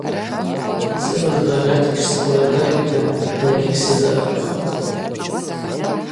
Сыбыз багъьата йшскӏуа рдыритӏта даргьи гьсызарархуам.